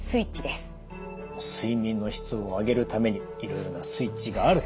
睡眠の質を上げるためにいろいろなスイッチがあると。